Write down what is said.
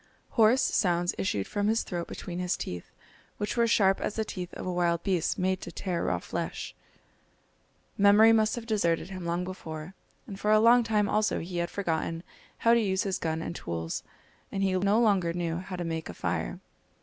Hoarse sounds issued from his throat between his teeth, which were sharp as the teeth of a wild beast made to tear raw flesh. Memory must have deserted him long before, and for a long time also he had forgotten how to use his gun and tools, and he no longer knew how to make a fire!